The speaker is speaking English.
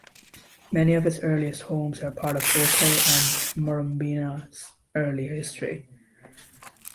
Many of its earliest homes are part of Oakleigh and Murrumbeena's early history.